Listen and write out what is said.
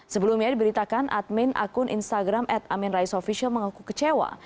sebelumnya diberitakan admin akun instagram at amin rais official mengaku kecewa